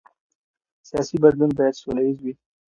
سیاسي بدلون باید سوله ییز وي